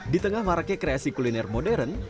di tengah maraknya kreasi kuliner modern